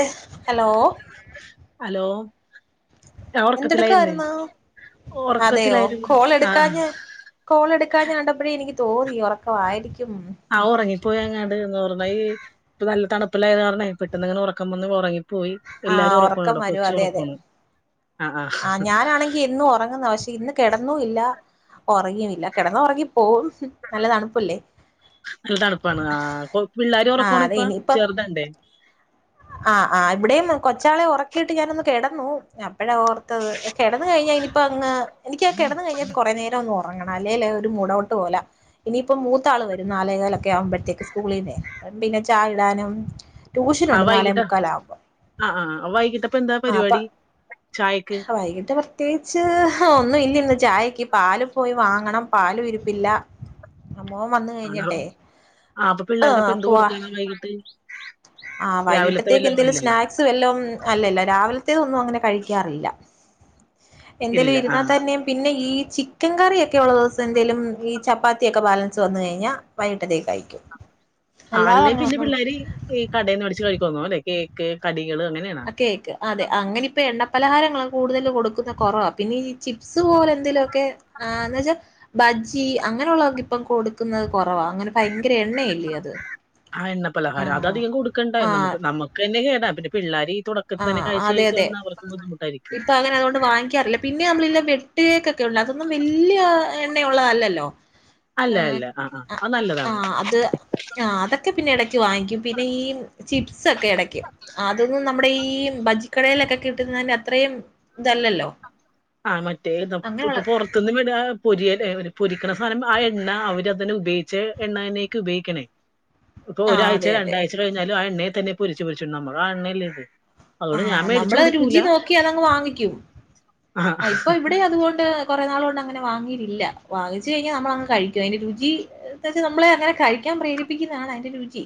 A hello hello ഞാൻ ഒറക്കത്തിലായിർന്ന് എന്തെടുക്കായിരുന്നു അതെയോ ഒറക്കത്തിലായിർന്നു കോൾ ആഹ് എടുക്കാഞ്ഞെ കോൾ എടുക്കാഞ്ഞ കണ്ടപ്പഴേ എനിക്ക് തോന്നി ഉറക്കായിരിക്കുംന്ന് ആഹ് ഒറങ്ങിപ്പോയ് അങ്ങാട് [unintelligible] ഇപ്പ നല്ല തണുപ്പല്ലേ അത് കാരണവേ പെട്ടെന്നിങ്ങനെ ഒറക്കം വന്ന് ഒറങ്ങിപ്പോയി എല്ലാരും ആഹ് ഉറക്കം ഒറക്കാണിവിടെ വരും അതെ അതെ കൊച്ചുമൊറക്കാണ് ആഹ് ഞാനാണെങ്കി എന്നും ഉറങ്ങുന്ന പക്ഷേ ഇന്ന് കെടന്നും ഇല്ല ഒറങ്ങിയും ഇല്ല കെടന്നാ ഒറങ്ങി പോകും നല്ല തണുപ്പാണ് ആ പിള്ളോരും ആഹ് അതെ ഒറക്കാണിപ്പൊ ചെറുതണ്ടേ ആ ആ ഇവിടെയും കൊച്ചാളെ ഉറക്കിയിട്ട് ഞാനൊന്ന് കെടന്നു അപ്പഴാ ഓർത്തത് കെടന്ന് കഴിഞ്ഞാ ഇനി അപ്പൊ അങ്ങ് എനിക്കങ്ങു കെടന്ന് കഴിഞ്ഞാൽ കൊറേ നേരം ഒന്ന് ഒറങ്ങണം അല്ലെേല് ഒരു മുഡൌട്ട് പോലാ ഇനിയിപ്പം മൂത്താൾ വരും നാലേകാലൊക്കെ ആവുമ്പോഴത്തേക്ക് സ്കൂളീന്നെ പിന്നെ ചായ ഇടാനും ആ ട്യൂഷനുണ്ട് നാലേ വൈകിട്ട് മുക്കാലാവുമ്പോ ആ ആഹ് വൈകിട്ടപ്പൊ എന്താ ആഹ് അപ്പൊ പരിപാടി ചായക്ക് വൈകിട്ട് പ്രത്യേകിച്ച് ഒന്നുവില്ല ഇന്ന് ചായക്ക് പാലും പോയി വാങ്ങണം പാലും ഇരിപ്പില്ല ആ മോൻ വന്ന് ആണോ കഴിഞ്ഞിട്ടെ ആഹ് അപ്പൊ ആഹ് പിള്ളേർക്കപ്പ എന്ത് പോവാ കൊടുക്കാനാ വൈകിട്ട് ആ രാവിലത്തെ വൈകിട്ടത്തേക്ക് വല്ലോ എന്തേലും ഇല്ലല്ലോ സ്നാക് സ് വല്ലോം അല്ലല്ലാ രാവിലത്തെ ഒന്നും അങ്ങനെ കഴിക്കാറില്ല എന്തേലും ഇല്ല ഇരുന്നാൽ ആഹ് തന്നെയും പിന്നെ ഈ ചിക്കൻ കറിയൊക്കെ ഉള്ള ദിവസം എന്തെലും ഈ ചപ്പാത്തിയൊക്കെ ബാലൻസ് വന്ന് കഴിഞ്ഞാൽ വൈകിട്ടത്തേക്ക് അയക്കും [inaudible] ആ അല്ലേ പിന്നെ പിള്ളേര് ഈ കടയിൽന്ന് വേടിച്ച് കഴിക്കോന്നോ അല്ലെ കേക്ക് കടികൾ അങ്ങനെ ആ കേക്ക് അതെ അങ്ങനെ ഇപ്പൊ എണ്ണപ്പലഹാരങ്ങളാ കൂടുതൽ കൊടുക്കുന്ന കുറവാ പിന്നെ ഈ ചിപ്സ് പോലെ എന്തെലുമൊക്കെ ആഹ് എന്നച്ചാ ബജ്ജി അങ്ങനെയുള്ളതൊക്കെ ഇപ്പം കൊടുക്കുന്നത് കുറവാ അങ്ങനെ ഭയങ്കര എണ്ണയല്ലേ അത് ആ എണ്ണ പലഹാരം അത് ആഹ് അധികം കൊടുക്കണ്ടാ നമക്ക് ആഹ് നമുക്ക് തന്നെ കേടാ പിന്നെ പിള്ളേർ തുടം ആഹ അതെ അതെ ഇപ്പൊ അങ്ങനെ അതുകൊണ്ട് വാങ്ങിക്കാറില്ല പിന്നെ നമ്മളേല്ല വെട്ടുകേക്കൊക്കെ ഉള്ള അതൊന്നും വലിയ എണ്ണയൊള്ളതല്ലല്ലോ അല്ല ആ അല്ല ആ അത് നല്ലതാണ് ആഹ് അത് ആ അതൊക്കെ പിന്നെ ഇടക്ക് വാങ്ങിക്കും പിന്നെ ഈ ചിപ്സ് ഒക്കെ ഇടക്കു അതൊന്നും നമ്മുടെ ഈ ഭജിക്കടേലൊക്കെ കിട്ടുന്നതിന്റെ അത്രയും ഇതല്ലല്ലോ ആഹ് മറ്റേ കപ്പ് അങ്ങനെയുള്ള ഇപ്പൊറത്ത് അത്ത്ന്ന് വിടാ പൊരിയലേ പൊരിക്കണ സാധനം ആ എണ്ണ അവരതിനെ ഉപയോഗിച്ച എണ്ണതന്നേയ്ക്കും ഉപയോഗിക്കണേ [inaudible] ഇപ്പൊ ഒരാഴ്ച അതെ അതെ രണ്ടാഴ്ച കഴിഞ്ഞാലും ആ എണ്ണയെതന്നെപൊരിച്ച്പൊരിച്ചിടണ നമ്മൾ ആ എണ്ണയില്ലേത് ആഹ് നമ്മളത് രുചി നോക്കി അതങ്ങ് വാങ്ങിക്കും ആ ഇപ്പൊ ഇവിടെം അതുകൊണ്ട് കുറെ നാൾ കൊണ്ട് അങ്ങനെ വാങ്ങിയിട്ടില്ല വാങ്ങിച്ച് കഴിഞ്ഞാൽ നമ്മളങ്ങ് കഴിക്കും അതിന്റെ രുചി എന്ന് വച്ചാ നമ്മളെ അങ്ങനെ കഴിക്കാൻ പ്രേരിപ്പിക്കുന്നതാണ് അതിന്റെ രുചി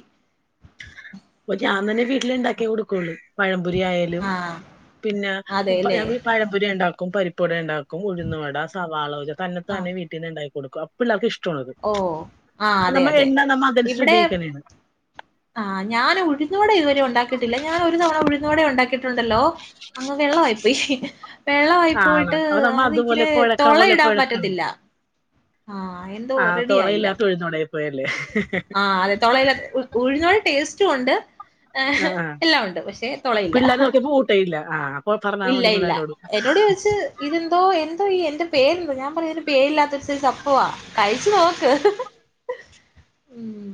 അപ്പ ഞാൻ തന്നെ വീട്ടിൽ ഉണ്ടാക്കി കൊടുക്കോളു പഴംപൊരി ആയാലും ആ അതെല്ലേ പിന്നെഈ പഴംപൊരി ഉണ്ടാക്കും പരിപ്പുവട ഉണ്ടാക്കും ഉഴുന്നുവട ആ സവാള ആ തന്നത്താന്നെ വീട്ടീന്ന് ഉണ്ടായി കൊടുക്കും അപ്പഴെല്ലാ വർക്ക് ഇഷ്ടുള്ളത് ഓ ആ അതെ നമ്മ അതെ എണ്ണ നമ്മ അതരിസം ഉപയോഗിക്കാനാണ് ആ ഞാൻ ഉഴുന്നുകൂടെ ഇതുവരെ ഉണ്ടാക്കിട്ടില്ല ഞാൻ ഒരു തവണ ഉഴുന്നോടെ ഉണ്ടാക്കിട്ടുണ്ടല്ലോ അങ്ങ് വെള്ളംആയിപ്പൊയ് [unintelligible] വെള്ളായി ആണ് പോയിട്ട് അപ്പൊ നമ്മ അതുപോലെ അതിചിരെ കുഴക്കണ പോലെ തുളയിടാൻ കുഴക്കണേ പറ്റത്തില്ല ആഹ് എന്തോ ആ റെഡി ആയില്ല തുളയില്ലാത്ത ഉഴുന്നുവടയായി പോയല്ലേ ആഹ് അതെ തുളയിലത് ഉഴിഞ്ഞരു ടേസ്റ്റ് ഉണ്ട് ആ ആ എല്ലാം ഉണ്ട് പക്ഷെ തുളയില്ല ഇല്ല ആഹ് ഇല്ല ഇല്ല എന്നോട് ചോദിച്ച് ഇതെന്തോ എന്തോ ഈ എന്റെ പേരെന്തോ ഞാൻ പറയതിന് പേരില്ലാത്ത ഒരു സയ്സ്സ് അപ്പവാ കഴിച്ചു നോക്ക് ഉം ഉം ഉം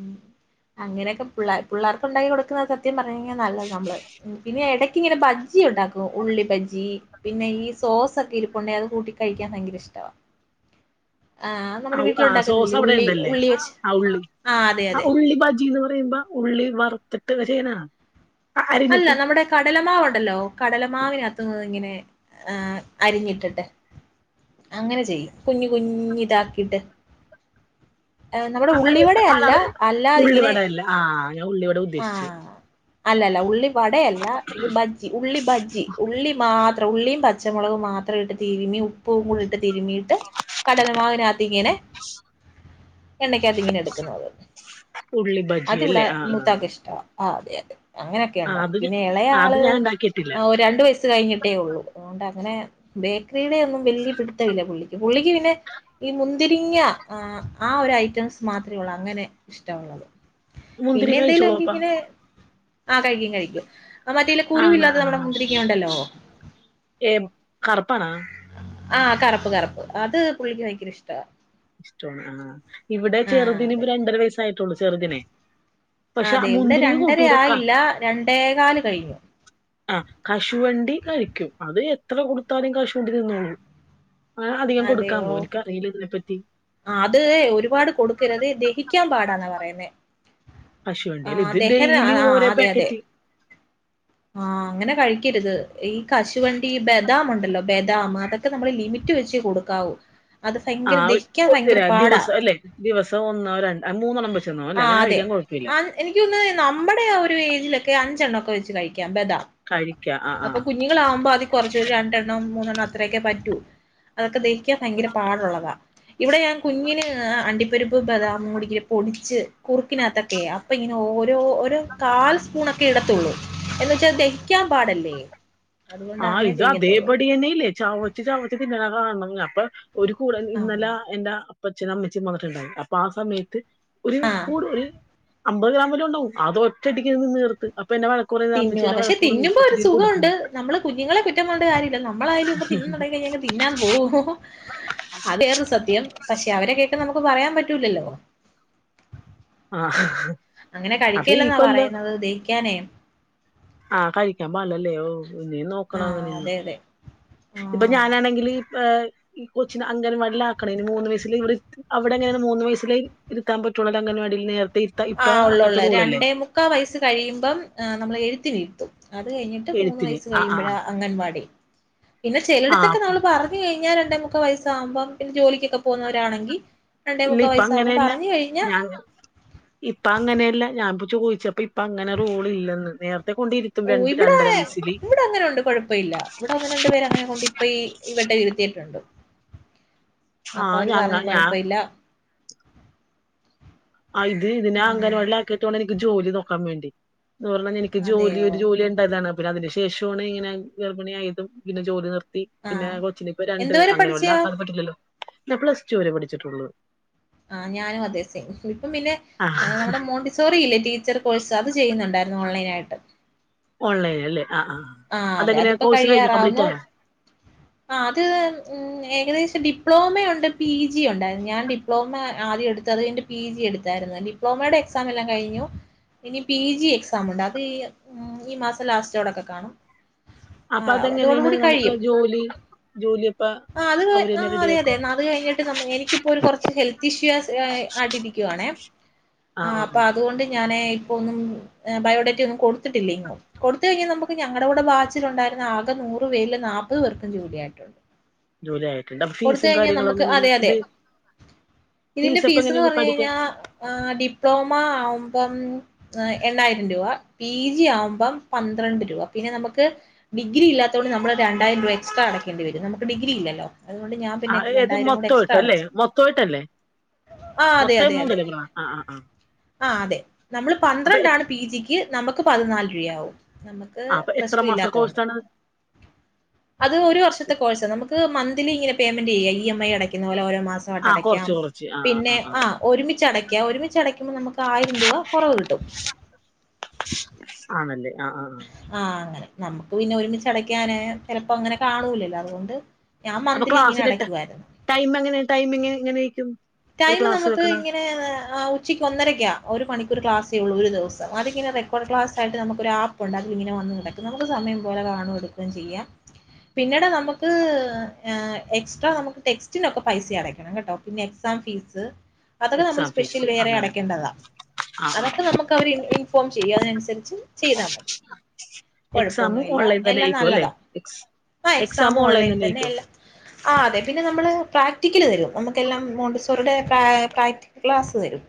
അങ്ങനെഒക്കെ പിള്ളര് പിള്ളർക്ക് ഉണ്ടാക്കി കൊടുക്കുന്നത് സത്യ പറഞ്ഞ കഴിഞ്ഞാ നല്ലത് നമ്മള് ഉം പിന്നെ എടയ്ക്ക ഇങ്ങനെ ബജ്ജി ഉണ്ടാക്കും ന്നു ഉള്ളി ബജ്ജി പിന്നെ ഈ സോസ് ഒക്കെ ഇരിപ്പോടെ അത് കൂട്ടി കഴിക്കാൻ ഭയങ്കര ഇഷ്ടവാ ആഹ് നമ്മുടെ ഔ ആ വീട്ടില് സോസ് ഉണ്ടാക്കുന്നില്ലേ അവിടെ ഉള്ളി ഉണ്ടല്ലേ ഉള്ളി വെച്ച് ആ ഉള്ളി അതെ ആ അതെ ഉള്ളി ബജിന്ന് പറയുമ്പോ ഉള്ളി വറുത്തിട്ട് പര്നാ അല്ല നമ്മുടെ കടലമാവ് ഉണ്ടല്ലോ കടലമാവിനത്ത്ന്ന് ഇങ്ങനെ ആഹ് അരിഞ്ഞിട്ടിട്ട് അങ്ങനെ ചെയ്യും കുഞ്ഞ് കുഞ്ഞ് ഇതാക്കിട്ട് ഏഹ് നമ്മുടെ ഉള്ളിവട അല്ല അല്ലാതിങ്ങനെ ആഹ് ഞാൻ ഉള്ളി വാടാ ആഹ് അല്ലല്ല ഉള്ളി വടഅല്ല ഇത് ബജ്ജി ഉള്ളി ബജ്ജി ഉള്ളി മാ ത്ര ഉള്ളിയും പച്ചമുളകും മാത്ര ഇട്ട് തിരുമി ഉപ്പുകുടിട്ട് തിരുമിയിട്ട് കഠലമാവിനത്ത് ഇങ്ങനെ എണ്ണക്കത് ഇങ്ങനെ എടുക്കുന്നത് ഉള്ളി ബജി അതിവിടെ അല്ലേ ആ ആ ആഹ് അതെ അതെ അനൊക്കെ ആ ഓടക്കും അത് ഞ- പിന്നെ ആ, എളെഅൾ അത് ഞാൻ ഉണ്ടാക്കിയിട്ടില്ല ആഹ് രണ്ട് വയസ്സ് കഴിഞ്ഞിട്ടേ ഉള്ളൂ അതൊണ്ട് അങ്ങനെ ബേക്കറിടെ ഒന്നും വലിയ പിടുത്തഇല്ല പുള്ളിക്ക് പുള്ളിക്ക് പിന്നെ ഈ മുന്തിരിങ്ങ ആഹ് ആ ഒരു ഐറ്റംസ് മാത്രമേ ഉള്ളൂ അങ്ങനെ ഇഷ്ടഒള്ളത് മുന്തിരി കഴിച്ചോളൂ അപ്പ ആഹ് കഴിക്കും കഴിക്കും മറ്റല്ലേ കുരു ആണ ഇല്ലാതെ നമ്മടെ മുന്തിരിങ്ങ ഒണ്ടല്ലോ എവ് കർപ്പണ ആഹ് കറുപ്പ് കറുപ്പ് അത് പുള്ളിക്ക് ഭയങ്കര ഇഷ്ടവ ഇഷ്ടണ് ആഹ് ഇവിടെ ചെറുദിന് അതെ ഇപ്പ രണ്ടര വയസ്സായിട്ടുള്ളു ചെറുദിനെ അതെ ഇവിടെ രണ്ടര ആയില്ല രണ്ടേകല് കഴിഞ്ഞു ആഹ് കശുവണ്ടി കഴിക്കും അത് എത്ര കൊടുത്താലും കശുവണ്ടി തിന്നോള്ളും ആഹ് അധികം അതെയോ കൊടുക്കാമോ എനിക്കറിയില്ല ഇതിനെപ്പറ്റി അത് ഒരുപാട് കൊടുക്കരുത് അതി ദഹിക്കാൻ പാടന്നാ പറയുന്നേ കശുവണ്ടിയല്ല ആഹ് ഇത് ദഹന ഡെയിലി ആഹ് ആഹ് ഓരോ അതെ അതെ പാക്കറ്റ് ആഹ് അങ്ങനെ കഴിക്കരുത് ഈ കശുവണ്ടി, ബദാം ഉണ്ടല്ലോ ബദാമ് അതൊക്കെ നമ്മള് ലിമിറ്റ് വച്ചെ കൊടുക്കാവൂ അത് ഭയങ്കര ആഹ് [unintelligible] ദഹിക്കാൻ കൊത്തില്ല ഭയങ്കര പാടാ. ദിവസം അല്ലേ ദിവസം ഒന്നോ രണ്ട് മൂന്നെണം വെച്ചന്നോ അല്ലേ അങ്ങനെ കഴിക്കൻ കുഴപ്പില്ല എനിക്കൊന്ന് നമ്മുടെ ഒരു ഏജിലൊക്കെ അഞ്ചെണ്ണഓക്കെ വെച്ച് കഴിക്കാം ബദാം കഴിക്ക ആഹ് ആഹ് ആഹ് കുഞ്ഞുങ്ങൾ ആവുമ്പോ അതി കുറച്ച് ഒരു രണ്ടെണ്ണം മൂന്നെണ്ണം അത്രയൊക്കെ പറ്റൂ അതൊക്കെ ദഹിക്കാ ഭയങ്കര പാടുള്ളത ഇവിടെ ഞാൻ കുഞ്ഞിന് അണ്ടിപ്പരിപ്പ് ബദാമും കൂടി ഇങ്ങനെ പൊടിച്ച് കുറുക്കിനകത്തൊക്കെയ അപ്പൊ ഇങ്ങനെ ഓരോ ഒരു കാൽ സ്പൂണൊക്കേ ഇടത്തൊള്ളൂ എന്ന് വെച്ചാൽ ദഹിക്കാൻ പാടല്ലേ [unintelligible] ആഹ് അങ്ങനെ ഇത് അതേ ചെയ്യത്തുള്ളൂ ബടിയന്നേ ഇല്ലേ ചവച്ച് ചവച്ച് തിന്നണ കാണണം അപ്പൊ ഒരു കൂടെ ഇന്നല ആഹ് എന്റാ അപ്പച്ചനും അമ്മച്ചീ വന്നിട്ടുണ്ടായി അപ്പൊ ആ സമയത്ത് ഒരു കൂടെ ഒരു അമ്പത് ഗ്രാം വല്ലോ ഉണ്ടാവും അത് ഒറ്റടിക്ക് തിന്ന്തീർത്ത് അപ്പൊ എന്നെ വഴ കൊറേനാൾ വെച്ച് തിന്നുവാ എന്നെ പക്ഷെ വഴക്കുപറഞ്ഞു തിന്നുമ്പോ ഒരു കൊച്ചിന് ഇതു സുഖമുണ്ട് കൊടുക്കല്ലെന്ന് നമ്മള് കുഞ്ഞുങ്ങളെ കുറ്റം പറഞ്ഞിട്ട് കാര്യല്ല നമ്മളായാലുംപ്പ തിന്നുന്നുണ്ടെങ്കി [unintelligible] തിന്നാൻ പോവോ അത് വെറൊരു സത്യം പക്ഷെ അവരെ കേക്ക നമുക്ക് പറയാൻ പറ്റൂലല്ലോ ആഹ് അങ്ങനെ അപ്പൊ ഈ കഴിക്കല്ലെന്നാ കൊല്ലം പറയുന്നത് ദഹിക്കാനേ ആഹ് കഴിക്കാൻ പാടില്ലല്ലേ ഓഹ് ഇനീം നോക്കണം ആഹ് അങ്ങനെയൊന്ന് അതെ അതെ ഇപ്പൊ ആഹ് ഞാനാണെങ്കില് ഏഹ് ഈ കൊച്ചിന് അംഗൻവാടിയിൽ ആക്കണേന് മൂന്ന് വയസില് ഇവിടെ - അവിടെ അങ്ങനേണ് മൂന്ന് വയസ്സിലെ ഇരുത്താൻ പറ്റുള്ളോല്ലേ അംഗൻവാടിയിൽ നേരത്തെ ഇരു ആഹ് ഉള്ളോള്ളെ രണ്ടേ മുക്കാൽ വയസ്സ് കഴിയുമ്പം നമ്മൾ എഴുത്തിനിരുത്തും അത് കഴിഞ്ഞിട്ട് മൂന്ന് എഴുത്തിന് വയസ്സ് ആഹ് ആഹ് കഴിയുമ്പോഴാ ആഹ് അംഗൻവാടി പിന്നെ ആഹ് ചെലടുത്തൊക്കെ അപ്പൊ നമ്മള് പറ ഞ്ഞഴിഞ്ഞാ രണ്ടേ മുക്കാൽ വയസ്സാകുമ്പം പിന്നെ ജോലിക്കൊക്കെ പോകുന്നോരാ ണെങ്കി ഇല്ല രണ്ടേമുക്കാൽ ഇപ്പ വയസ്സാവുമ്പോ അങ്ങനെയല്ല പറഞ്ഞഴിഞ്ഞ ഞാൻ ഇപ്പ അങ്ങനെയല്ല ഞാൻ ഇപ്പൊ ചോദിച്ചപ്പ ഇപ്പ അങ്ങനെ റൂൾ ഇല്ലെന്ന് നേരത്തെ കൊണ്ടിരി ഓഹ് ഇവിടെ [unintelligible] ഇവിടെ അങ്ങനെ ഉണ്ട് കൊഴപ്പ ഇല്ല ഇവിടെ അങ്ങനെ ഒന്ന് രണ്ട് പേരെ അങ്ങനെ കൊണ്ട് ഇപ്പ ഈ ഇവിടെ ഇരുത്തിയിട്ടുണ്ട് ആ അപ്പൊ അവര് ഞങ്ങ പറഞ്ഞ് ഞാ കൊഴപ്പ ഇല്ല ആഹ് ഇത് ഇതിനെ ആ അങ്ങനവാടിൽ ആക്കിയിട്ട് വേണം എനിക്ക് ജോലി നോക്കാൻ വേണ്ടി എന്ന് പറഞ്ഞാ എനി ക്ക് ജോലി അതെയോ ഒരു ജോലി ഉണ്ടായതാണ് പിന്നെ അതിനു ശേഷമാണ് ഇങ്ങനെ ഗർഭിണിയായതും പിന്നെ ജോലി നിർത്തി ആ പിന്നെ കൊച്ചിന് ഇപ്പൊ രണ്ട് എന്തുവരെ പഠിച്ചയാ അംഗനവാടിയിലാക്കാതെ പറ്റില്ലല്ലോ ഞാൻ പ്ലസ് റ്റൂ വരെ പഠിച്ചിട്ടുള്ള് ആഹ് ഞാനും അതെ സെയിം ഇപ്പം പിന്നെ ആ നമ്മുടെ മോണ്ടി സോറിയില്ലേ ടീച്ചർ കോഴ്സ് അത് ചെയ്യുന്നുണ്ടായിരുന്നു ഓൺലൈനായിട്ട് ഓൺലൈൻ അല്ലേ ആഹ് ആഹ് അതെ അതെങ്ങനെയാ അതിപ്പോ കോഴ്സ് കഴിഞ്ഞാ കംപ്ലീറ്റ് കഴിയാറാവുന്നു ആയാ ആഹ് അത് ഏകദേശം ഡിപ്ലോമയുണ്ട് പി ജി ഒണ്ടായിരുന്ന് ഞാൻ ഡി- പ്ലോമ ആദ്യം എടുത്ത് അത് കഴിഞ്ഞിട്ട് പി ജി എടുത്തായിരുന്നു ഡിപ്ലോമയുടെ എക്സാം എല്ലാം കഴിഞ്ഞു ഇനി പി ജി എക്സാമുണ്ട് അത് ഈ മാസം ലാസ്റ്റോടൊക്കെ കാണും അപ്പൊ ആഹ് അതെങ്ങനെയാണ് അതോടുകൂടി നമുക്ക് കഴിയും ജോലി ജോലിയപ്പ ആഹ് അത് അവര്ന്നെ ആഹ് അതെ അതെ റെഡിയാക്കോ ന - അത് കഴിഞ്ഞിട്ട് എനിക്കിപ്പോ ഒരു കൊറച്ച് ഹെൽത്ത് ഇഷ്യൂസ് ആയി ട്ടിരിക്കുവാണേ ആ ആഹ് ആ ആ അപ്പൊ അതുകൊണ്ട് ഞാനെ ഇപ്പൊ ഒന്നും ബയോഡേറ്റ ഒന്നും കൊടുത്തിട്ടില്ല എങ്ങും കൊടുത്തഴിഞ്ഞാൽ നമുക്ക് ഞങ്ങടെ കൂടെ ബാച്ചിലുണ്ടായിരുന്ന ആകെ നൂറ് പേരിലും നാപ്പത് പേർക്കും ജോലിയായിട്ടുണ്ട് ജോലി ആയിട്ടുണ്ട് അപ്പൊ കൊടുത്ത് ഫീസും കഴിഞ്ഞാൽ കാര്യങ്ങളും നമുക്ക് അതെ എങ്ങനെയാണ് അതെ ഇത് ഇതിന്റെ അപ്പൊ ഫീസ് എന്ന് എങ്ങനെയാണ് ഇത് പറഞ്ഞ പഠിക്കാൻ ഴിഞ്ഞാൽ ആഹ് ഡിപ്ലോമ ആവുമ്പം എണ്ണായിരം രൂപ പി ജി ആവുമ്പം പന്ത്രണ്ട് രൂപ പിന്നെ നമുക്ക് ഡിഗ്രിയില്ലാത്തോണ്ട് നമ്മള് രണ്ടായിരം രൂപ എക്സ്ട്രാ അടയ്ക്കേണ്ടിവരും നമുക്ക് ഡിഗ്രി ഇല്ലല്ലോ അതുകൊണ്ട് ഞാൻ ആ പിന്നെ ഇത് രണ്ടായിരം കൂടെ എക്സ്ട്രാ മൊത്തമായിട്ടല്ലേ അടച്ച് മൊത്തമായിട്ടല്ലേ ആഹ് അതെ മൊത്തം അതെ എമൗണ്ട് അതെ അല്ലേ പറഞ്ഞത് ആ ആ ആ ആഹ് അതെ നമ്മള് അപ്പൊ എ- പന്ത്രണ്ടാണ് പി ജിക്ക് ക്ക് നമുക്ക് പതിനാല് രൂപയാവും നമുക്ക് ആഹ് അപ്പൊ എത്ര പ്ലസ് ടു മാസ ഇല്ലാത്തോണ്ട് കോഴ് സാണ് അത് ഒരു വർഷത്തെ കോഴ്സാ. നമുക്ക് മന്ത്ലി ഇങ്ങനെ പേയ്മെന്റ് ചെയ്യാം ഇ എം ഐ അടക്കുന്ന പോലെ ഓരോ മാസം. ആ ത്തോട്ടടക്ക്യാം കുറച്ച് കുറച്ച് ആ ആ പിന്നെ ആ ആ ആഹ് ഒരുമിച്ചടക്ക്യ. ഒരുമിച്ച് അടയ്ക്കുമ്പം നമുക്ക് ആയിരം രൂപ കുറവ് കിട്ടും. ആണല്ലേ ആഹ് ആഹ് ആഹ്. ആഹ് അങ്ങനെ. നമുക്ക് പിന്നെ ഒരുമിച്ചടക്കാന് ചിലപ്പ ങ്ങനെ കാണൂലല്ലോ അതുകൊണ്ട് ഞാൻ അപ്പൊ മന്ത്ലി ഇങ്ങനെ ക്ലാസ്സിലിട്ട്, അടയ്ക്കുവായിരുന്നു ടൈം എങ്ങനെ ടൈമിങ് എങ്ങനേക്കും? ടൈമ് നമുക്ക് ഇങ്ങനെ ആഹ് ഉ ച്ചക്ക് ഒന്നരയ്ക്കാ. ഒരു മണിക്കൂർ ക്ലാസേ ഉള്ളൂ ഒരു ദിവസം. അതിങ്ങനെ റെക്കോഡ് ക്ലാസായ്ട്ട് നമുക്കൊരാ പ്പുണ്ട് അത് ഇങ്ങനെ വന്ന് കിടക്കും. നമുക്ക് സമയം പോലെ കാണും എടുക്ക്കേം ചെയ്യാം. പിന്നെടാ നമുക്ക് ഏഹ് എക്സ്ട്രാ നമുക്ക് ടെക്സ്റ്റിനൊക്കെ പൈസ അടക്കണം കേട്ടോ. പിന്നെക് സാം ഫീസ് അതൊക്കെ നമ്മൾ എക്സാം സ്പെഷ്യൽ ഫീസ് വേറെ അങ്ങനെ അടയ്ക്കേണ്ടതാ. ആ ആ അതൊക്കെ നമുക്ക് അവര് ഇൻ ഇൻഫോം ചെയ്യും അതിനനുസരിച്ച് ചെയ്താ മതി. കൊഴപ്പൊന്നു എക്സാമും ഇല്ല. ഓൺലൈൻ തന്നെ എല്ലാം ആയിരിക്കും അല്ലേ നല്ലതാ എക്സ് ആഹ് എക്സാം ഓൺലൈൻ തന്നെ. എല്ലാം ആഹ് അതെ പിന്നെ നമ്മൾ പ്രാക്ടിക്കല് തരും നമുക്കെല്ലാം മോണ്ടി സോറിടെ പേ പ്രാക്ടിക്കൽ ക്ലാസ്സ് തരും.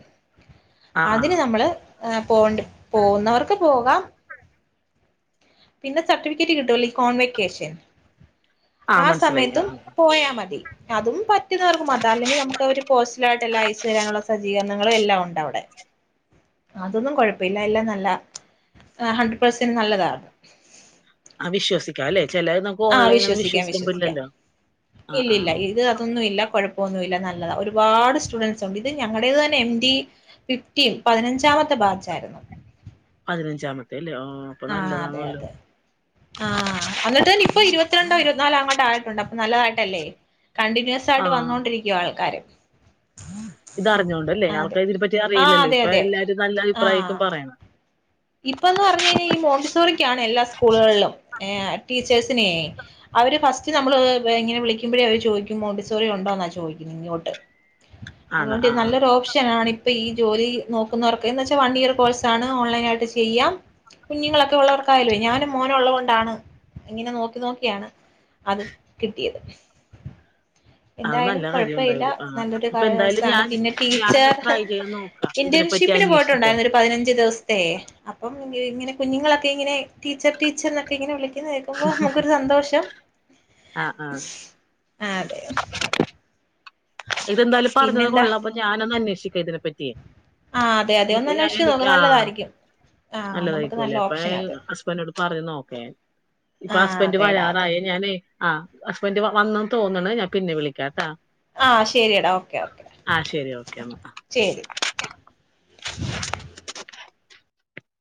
ആ ആ അതിന് നമ്മള്, ഏഹ് പോണ്ട് പോകുന്നവർക്ക് പോകാം. പിന്നെ സർട്ടിഫിക്കറ്റ് കിട്ടുവല്ലേ ഈ കോൺവെക്കേഷൻ ആ മനസ്സിലായി ആ സമയത്തും ആ പോയാ മതി. അതും പറ്റുന്നവർക്കും അതല്ലെങ്കി നമുക്കവര് പോസ്റ്റലായിട്ട് എല്ലാം അയച്ച് തരാനുള്ള സജ്ജീകരണങ്ങളും എല്ലാം ഉണ്ടവിടെ. അതൊന്നും കൊഴപ്പ ഇല്ല എല്ലാം നല്ലതാ. ഹഡ്രഡ് പെർസെന്റ് നല്ലതാ അത്. ആഹ് വിശ്വസിക്കാം അല്ലെ, ചെലേത് നമുക്ക് ഓൺലൈനൊന്നും വിശ്വസിക്കാൻ പറ്റില്ലല്ലോ. ആഹ് ഇല്ലില്ല ആഹ് ഇത് അതൊന്നും ഇല്ല. കൊഴ പ്പ ഒന്നു ഇല്ല നല്ലതാ. ഒരുപാട് സ്റ്റുഡൻറ്സ് ഉണ്ട് ഇത് ഞങ്ങടേത് തന്നെ എം ഡി ഫിഫ്റ്റീൻ പതിനഞ്ചാമത്തെ ബാച്ചായിരുന്നു. പതിനഞ്ചാമത്തെ അല്ലേ. ആഹ്. അപ്പൊ ആഹ് അതെ നല്ലതാണല്ലോ അതെ. ആഹ് അന്നിട്ട് തന്നെ ഇപ്പ ഇരുപത്തിരണ്ടോ ഇരുപത്തിനാലോ അങ്ങോട്ടായിട്ടുണ്ട്. അപ്പം നല്ലതായിട്ടല്ലേ. കണ്ടിന്യൂസ് സായിട്ട് ആഹ് വന്നോണ്ടിരിക്കുവാ ആൾക്കാര്. ഇതറിഞ്ഞോണ്ടല്ലേ. അതെ ആൾക്കാര് ഇതിനെ പറ്റി ആ അറിയില്ലല്ലേ. അതെ ഇപ്പ അതെ എല്ലാരും നല്ല അഭിപ്രായേക്കും പറയണെ. ഇപ്പം ന്ന് പറഞ്ഞു കഴിഞ്ഞാ ഈ മോണ്ടിസോറിക്കാണ് എല്ലാ സ്കൂളുകളിലും, ഏഹ് ടീച്ചേഴ്സിനേ. അവര് ഫസ്റ്റ് നമ്മള് ഇങ്ങനെ വിളിക്കുമ്പഴേ അവര് ചോയിക്കും മോണ്ടിസോറി ഉണ്ടോന്നാ ചോയിക്കുന്ന് ഇങ്ങോട്ട്. ആണ് അതുകൊണ്ട് ഇത് ആഹ് ആഹ് നല്ലൊരു ഓപ്ഷൻ ആണി പ്പ ഈ ജോലി നോക്കുന്നവർക്ക് എന്ന് വെച്ചാ വൺ ഇയർ കോഴ്സാണ് ഓൺലൈൻ ആയിട്ട് ചെയ്യാം. കുഞ്ഞുങ്ങളൊക്കെ ഉള്ളവർക്കായാല്വേ ഞാനും മോനും ഉള്ളത് കൊണ്ടാണ് ഇങ്ങനെ നോക്കി നോക്കിയാണ് അത് കിട്ടിയത്. അത് എന്തായാലും നല്ല കാര്യം കുഴപ്പ ഇല്ല എന്തായാലും ആഹ് നല്ലൊരു അപ്പൊ എന്തായാലും കാലാവസ്ഥാണ്. ഞാൻ പിന്നെ ടീച്ച ഞാനൊന്ന് റ് ട്രൈ ചെയ്യാൻ നോക്കാം ഇതിനെപ്പറ്റി ഇന്റേർഷിപ്പിന് അന്വേഷിച്ചിട്ടെ പോയിട്ടുണ്ടായിരുന്നു ഒരു പതിനഞ്ച് ദിവസ്ത്തെ. അപ്പം ഇങ്ങനെ കുഞ്ഞുങ്ങളൊക്കെ ഇങ്ങനെ ടീച്ചർ ടീച്ചർ എന്നൊക്കെ ഇങ്ങനെ വിളി ക്കുന്നെ കേക്കുമ്പോ നമുക്കൊരു സന്തോഷം. ആഹ് ആഹ് അതെ ഇതെന്തായാലും പറഞ്ഞത് പിന്നെന്താ കൊള്ളാം അപ്പൊ ഞാനൊന്ന് അന്വേഷിക്ക ഇതിനെ പറ്റി. ആഹ് അതെ അതെ. ഒന്നന്നേഷിച്ചു നോക്ക് നല്ലതായിരിക്കും. ആ നമുക്ക് നല്ല നല്ലതായിരിക്കുംല്ലേ അപ്പൊ ഓപ്ഷനാ അത് ഹസ്ബൻഡ്‌നോട് പറഞ്ഞു നോക്കേ. ആ ഇപ്പൊ ഹസ്ബന്ഡ് അതെടാ അതെ വരാറായേ ഞാന് ആഹ് ഹസ്ബൻ്റ് വ വന്നെന്ന് തോന്ന്ണ് ഞാൻ പിന്നെ വിളിക്കാട്ടാ. ആഹ് ശരിയെടാ ഓ ആഹ് ശരി ഓക്കെ ന്നാ. ചെറി